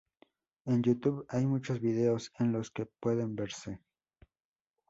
En YouTube hay muchos videos en los que pueden verse.